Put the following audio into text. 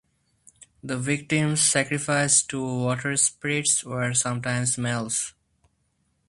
The victims sacrificed to water-spirits are sometimes males.